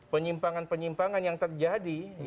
penyimpangan penyimpangan yang terjadi